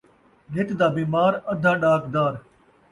نت دا بیمار ، ادھا ݙاکدار